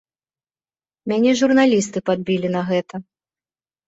Мяне журналісты падбілі на гэта.